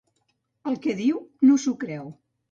El que diu no s’ho creu.